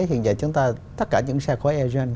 hiện giờ chúng ta tất cả những xe khói egen